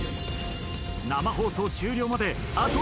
生放送終了まであと１５分。